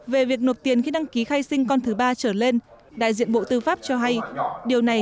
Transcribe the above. về việc nộp tiền khi đăng ký khai sinh con thứ ba trở lên đại diện bộ tư pháp cho hay điều này